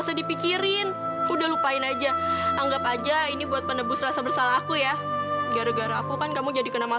sampai jumpa di video selanjutnya